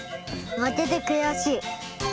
まけてくやしい。